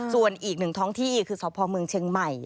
ส่วนอีกหนึ่งท้องที่คือสพเมืองเชียงใหม่